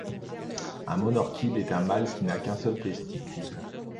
Un Monorchide est un mâle qui n’a qu’un seul testicule.